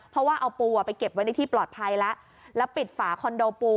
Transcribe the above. เพราะว่าเอาปูอ่ะไปเก็บไว้ในที่ปลอดภัยแล้วแล้วปิดฝาคอนโดปู